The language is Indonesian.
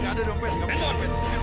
gak ada dompet